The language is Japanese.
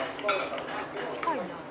「近いな」